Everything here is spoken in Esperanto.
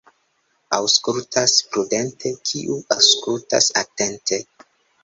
Aŭskultas prudente, kiu aŭskultas atente.